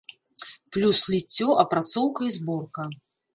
Плюс ліццё, апрацоўка і зборка.